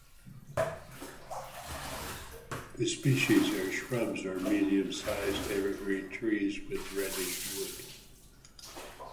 The species are shrubs or medium-sized evergreen trees with reddish wood.